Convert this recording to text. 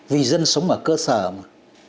vì dân sống ở cơ sở mà